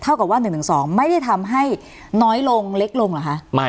กับว่า๑๑๒ไม่ได้ทำให้น้อยลงเล็กลงเหรอคะ